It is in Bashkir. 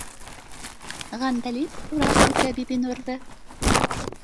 — Ғәндәлип урап үтә Бибинурҙы